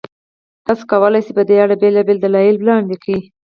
تاسو کولای شئ، په دې اړه بېلابېل دلایل وړاندې کړئ.